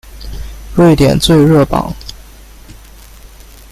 瑞典最热榜。